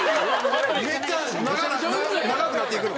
めっちゃ長く長くなっていくの？